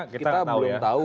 kita belum tahu